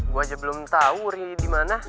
gue aja belum tau uri dimana